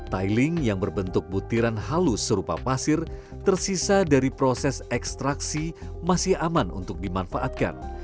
tiling yang berbentuk butiran halus serupa pasir tersisa dari proses ekstraksi masih aman untuk dimanfaatkan